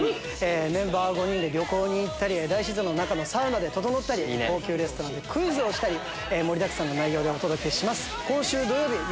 メンバー５人で旅行に行ったり大自然のサウナでととのったり高級レストランでクイズをしたり盛りだくさんでお届けします。